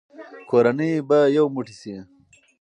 کورنۍ به یو موټی شي.